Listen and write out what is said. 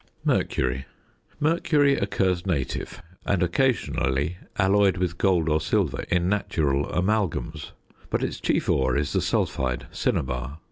MERCURY. Mercury occurs native and, occasionally, alloyed with gold or silver in natural amalgams; but its chief ore is the sulphide, cinnabar.